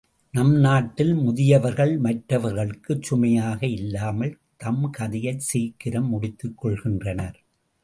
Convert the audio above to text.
நம் நாட்டில் முதியவர்கள் மற்றவர்க்குச் சுமையாக இல்லாமல் தம் கதையைச் சீக்கிரம் முடித்துக் கொள்கின்றனர்.